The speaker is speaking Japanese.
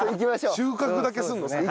収穫だけするの。